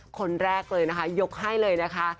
คนแรกเลยนะคะยกให้เลยนะคะ